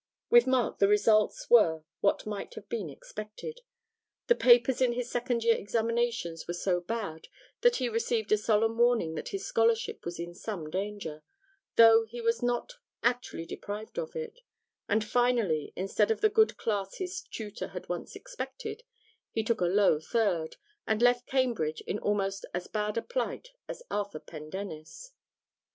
With Mark the results were what might have been expected: his papers in his second year examinations were so bad that he received a solemn warning that his scholarship was in some danger, though he was not actually deprived of it, and finally, instead of the good class his tutor had once expected, he took a low third, and left Cambridge in almost as bad a plight as Arthur Pendennis.